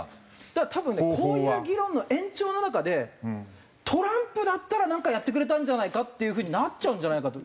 だから多分ねこういう議論の延長の中でトランプだったらなんかやってくれたんじゃないかっていう風になっちゃうんじゃないかと。